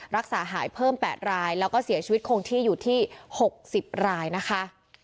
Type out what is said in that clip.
รักษาหายเพิ่ม๘รายแล้วก็เสียชีวิตคงที่อยู่ที่๖๐รายนะคะ